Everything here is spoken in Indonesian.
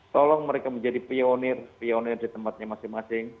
tolong mereka menjadi pionir pionir di tempatnya masing masing